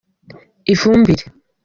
ifumbire.